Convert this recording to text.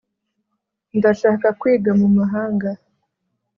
ndashaka kwiga mu mahanga